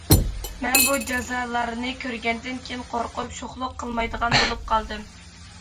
مەن بۇ جازالارنى كۆرگەندىن كېيىن قورقۇپ، شوخلۇق قىلمايدىغان بولۇپ قالدىم.